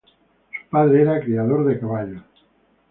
Su padre era criador de caballos.